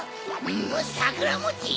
んさくらもち！